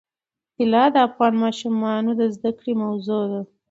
طلا د افغان ماشومانو د زده کړې موضوع ده.